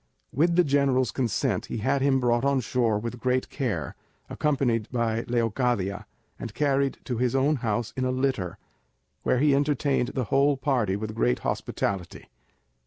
With the general's consent he had him brought on shore with great care, accompanied by Leocadia, and carried to his own house in a litter, where he entertained the whole party with great hospitality.